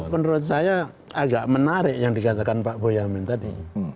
menurut saya agak menarik yang dikatakan pak boyamin tadi